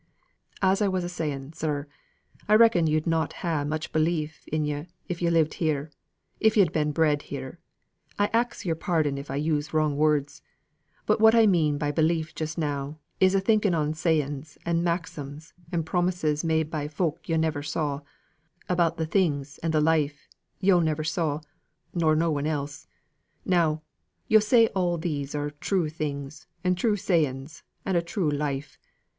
"As I was a saying, sir, I reckon yo'd not ha' much belief in yo' if yo' lived here, if yo'd been bred here. I ax your pardon if I use wrong words; but what I mean by belief just now, is a thinking on sayings and maxims and promises made by folk yo' never saw, about the things and the life yo' never saw, nor no one else. Now, yo' say these are true things, and true sayings, and a true life.